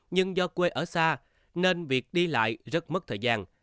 nhưng do quê ở xa nên việc đi lại rất mất thời gian